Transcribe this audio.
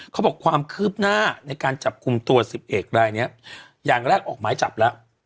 เขาบอกความคืบหน้าในการจับคุมตัว๑๐เอกรายเนี่ยอย่างแรกออกไม้จับแล้ว